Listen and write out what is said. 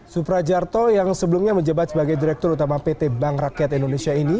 suprajarto yang sebelumnya menjabat sebagai direktur utama pt bank rakyat indonesia ini